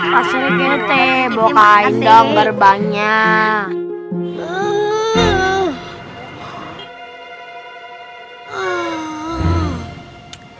pak sri kiti bawa kain dong berbanyak